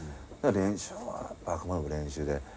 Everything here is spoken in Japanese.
練習はあくまでも練習で。